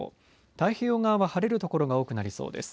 太平洋側は晴れる所が多くなりそうです。